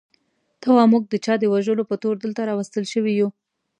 ته وا موږ د چا د وژلو په تور دلته راوستل شوي یو.